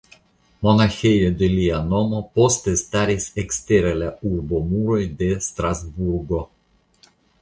Monaĥejo de lia nomo poste staris ekstere la urbomuroj de Strasburgo.